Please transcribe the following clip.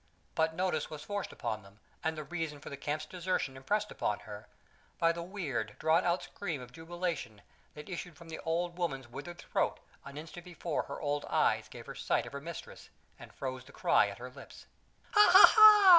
But notice was forced upon them, and the reason for the camp's desertion impressed upon her, by the weird, drawn out scream of jubilation that issued from the old woman's withered throat an instant before her old eyes gave her sight of her mistress and froze the cry at her lips. "Ha, ha, ha!"